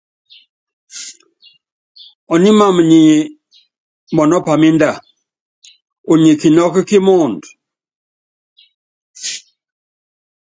Ɔními wam nyi mɔnɔ́ pámínda, unyi kinɔ́kɔ kí muundɔ.